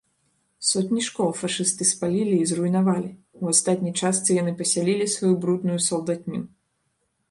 Сотні школ фашысты спалілі і зруйнавалі, у астатняй частцы яны пасялілі сваю брудную салдатню.